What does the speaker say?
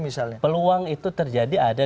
misalnya peluang itu terjadi ada